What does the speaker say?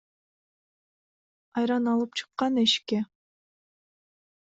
Айран алып чыккан эшикке.